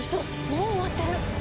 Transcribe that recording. もう終わってる！